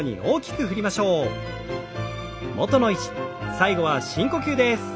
最後は深呼吸です。